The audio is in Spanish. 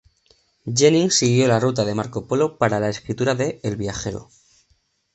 Jennings siguió la ruta de Marco Polo para la escritura de "El viajero".